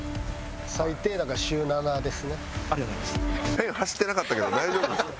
ペン走ってなかったけど大丈夫ですか？